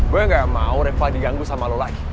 gue gak mau reva diganggu sama lo lagi